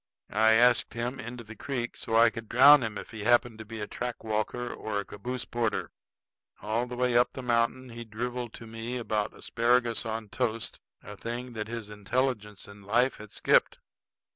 I asked him into the creek, so I could drown him if he happened to be a track walker or caboose porter. All the way up the mountain he driveled to me about asparagus on toast, a thing that his intelligence in life had skipped.